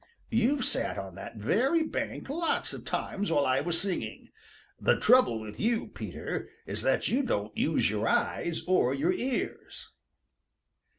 You've sat on that very bank lots of times while I was singing. The trouble with you, Peter, is that you don't use your eyes or your ears."